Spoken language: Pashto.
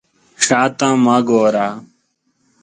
شا ته مه ګوره.